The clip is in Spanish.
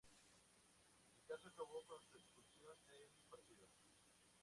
El caso acabó con su expulsión del partido.